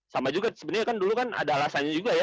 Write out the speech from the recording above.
sama juga sebenarnya kan dulu kan ada alasannya juga ya